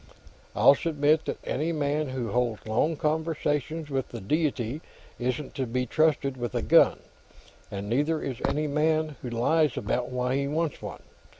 I'll submit that any man who holds long conversations with the Deity isn't to be trusted with a gun, and neither is any man who lies about why he wants one.